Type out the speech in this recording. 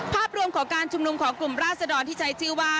ภาพรวมของการชุมนุมของกลุ่มราศดรที่ใช้ชื่อว่า